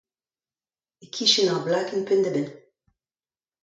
E-kichen ar blakenn penn-da-benn.